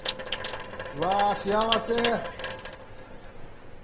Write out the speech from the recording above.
うわ幸せ。